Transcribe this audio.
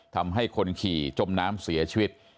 ทำให้คนขี่จมน้ำเสียชีวิต